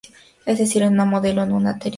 Es decir, es un modelo, no una teoría.